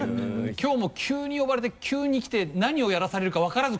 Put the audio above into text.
きょうも急に呼ばれて急に来て何をやらされるか分からず